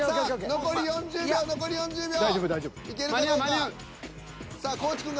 残り２０秒。